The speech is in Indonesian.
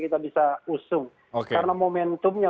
kita bisa usung karena momentumnya